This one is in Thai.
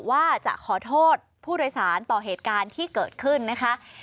ว่าจะขอโทษผู้โดยสารต่อเหตุการณ์ที่เกิดขึ้นนะคะ